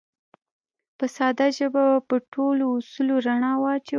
په ساده ژبه به په ټولو اصولو رڼا واچوو